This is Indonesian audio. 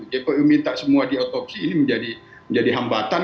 jpu minta semua di otopsi ini menjadi hambatan